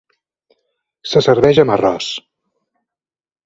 Se serveix amb arròs.